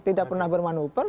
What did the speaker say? tidak pernah bermanuver